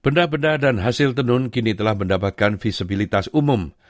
benda benda dan hasil tenun kini telah mendapatkan visibilitas umum